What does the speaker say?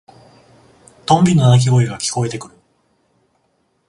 トンビの鳴き声が聞こえてくる。